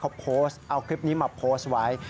เขาโพสต์เอาคลิปนี้มาโพสต์ไว้